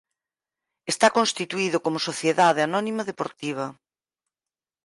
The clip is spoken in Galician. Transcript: Está constituído como Sociedade anónima deportiva.